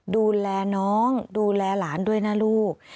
ดูแลน้องดูแลหลานด้วยนะลูก